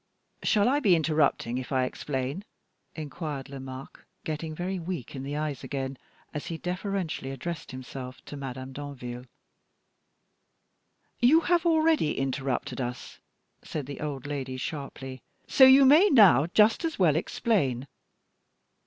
"Shall I be interrupting if I explain?" inquired Lomaque, getting very weak in the eyes again, as he deferentially addressed himself to Madame Danville. "You have already interrupted us," said the old lady, sharply; "so you may now just as well explain."